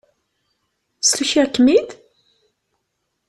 Ssukiɣ-kem-id?